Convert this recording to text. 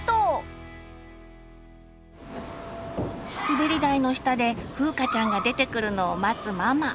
滑り台の下でふうかちゃんが出てくるのを待つママ。